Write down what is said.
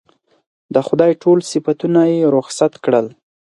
د خدای ټول صفتونه یې رخصت کړل.